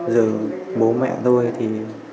giờ bố mẹ tôi thì